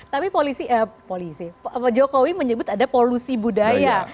tapi polisi jokowi menyebut ada polusi budaya